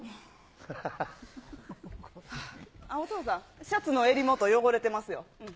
お父さん、シャツの襟元、汚れてますよ。